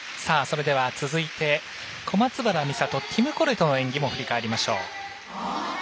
続いて小松原美里、ティム・コレトの演技も振り返りましょう。